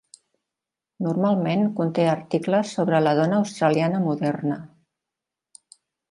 Normalment conté articles sobre la dona australiana moderna.